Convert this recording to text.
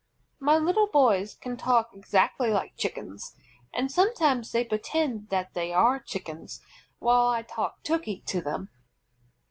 My little boys can talk exactly like Chickens, and sometimes they pretend that they are Chickens, while I talk Turkey to them.